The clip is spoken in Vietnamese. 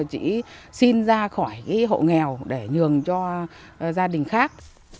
chị xin ra khỏi hộ nghèo để nhường cho gia đình khác